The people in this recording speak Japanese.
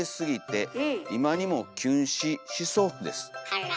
あら。